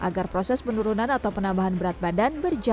agar proses penurunan atau penambahan berat badan berjalan